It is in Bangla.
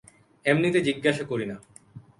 এমনিতে জিজ্ঞেস করি না।